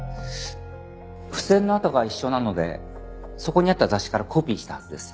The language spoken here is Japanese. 付箋の跡が一緒なのでそこにあった雑誌からコピーしたはずです。